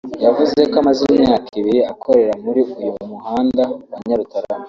yavuze ko amaze imyaka ibiri akorera muri uyu muhanda wa Nyarutarama